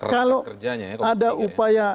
kalau ada upaya